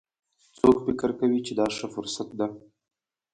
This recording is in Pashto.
څوک فکر کوي چې دا ښه فرصت ده